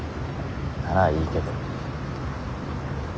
ならいいけど。